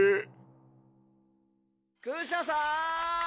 クシャさん！